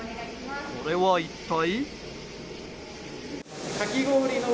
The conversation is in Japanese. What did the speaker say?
これは一体？